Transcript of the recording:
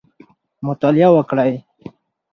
مطالعه وکړئ.